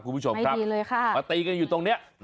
คุณผู้ชมครับมาตีกันอยู่ตรงนี้ไม่ดีเลยค่ะ